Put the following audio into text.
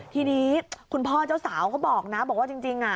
ทีนี้คุณพ่อเจ้าสาวเขาบอกนะบอกว่าจริง